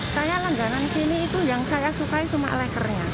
saya langganan sini itu yang saya sukai cuma lekernya